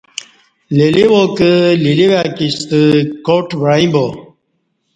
لیلیواکہ لیلیواکی ستہ کاٹ وعیں با